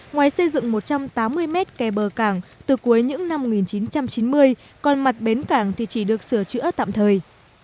ngoài xây dựng một trăm tám mươi mét kè bờ cảng từ cuối những năm một nghìn chín trăm chín mươi còn mặt bến cảng thì chỉ được sửa chữa tạm thời